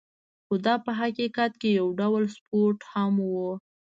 خو دا په حقیقت کې یو ډول سپورت هم و.